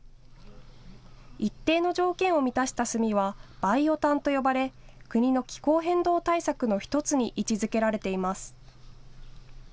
一定の条件を満たした炭はバイオ炭と呼ばれ国の気候変動対策の１つに位置づけられています。